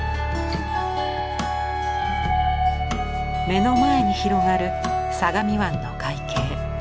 目の前に広がる相模湾の海景。